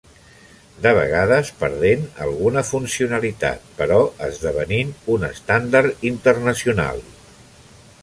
De vegades perdent alguna funcionalitat, però esdevenint un estàndard internacional.